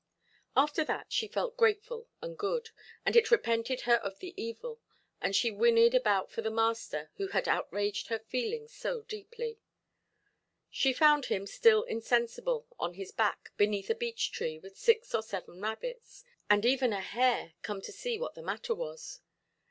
After that, she felt grateful and good, and it repented her of the evil, and she whinnied about for the master who had outraged her feelings so deeply. She found him still insensible, on his back, beneath a beech–tree, with six or seven rabbits, and even a hare, come to see what the matter was.